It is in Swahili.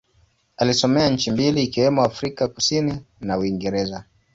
Alisomea nchi mbili ikiwemo Afrika Kusini na Uingereza.